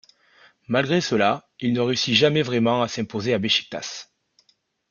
Malgré cela, il ne réussit jamais vraiment à s'imposer à Beşiktaş.